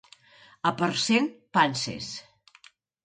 A Parcent, panses.